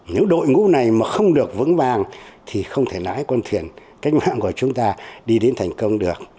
nếu đội ngũ này mà không được vững vàng thì không thể lái con thuyền cách mạng của chúng ta đi đến thành công được